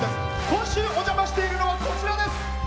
今週お邪魔しているのはこちらです。